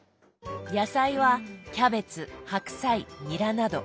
野菜はキャベツ白菜ニラなど。